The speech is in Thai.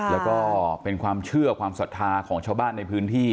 แล้วก็เป็นความเชื่อความศรัทธาของชาวบ้านในพื้นที่